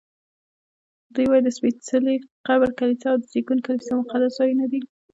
دوی وایي د سپېڅلي قبر کلیسا او د زېږون کلیسا مقدس ځایونه دي.